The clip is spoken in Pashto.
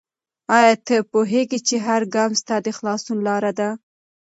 آیا ته پوهېږې چې هر ګام ستا د خلاصون لاره ده؟